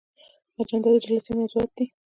اجنډا د جلسې موضوعات دي